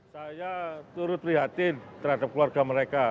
saya turut prihatin terhadap keluarga mereka